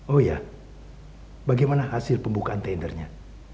oh ya bagaimana hasil pembukaan tendernya